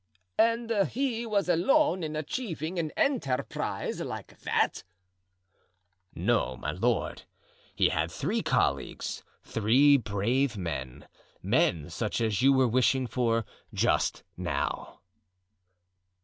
"And he was alone in achieving an enterprise like that?" "No, my lord, he had three colleagues, three brave men, men such as you were wishing for just now."